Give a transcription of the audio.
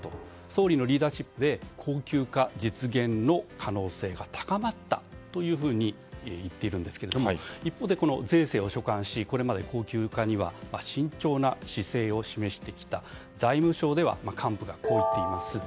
総理のリーダーシップで恒久化実現の可能性が高まったというふうに言っているんですが一方で、税制を所管しこれまで恒久化には慎重な姿勢を示してきた財務省では幹部がこう言っています。